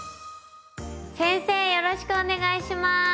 よろしくお願いします。